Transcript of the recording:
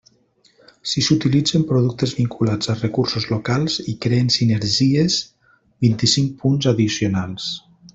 Si s'utilitzen productes vinculats a recursos locals i creen sinergies, vint-i-cinc punts addicionals.